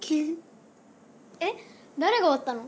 えっ？だれがわったの？